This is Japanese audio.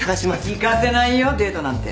行かせないよデートなんて。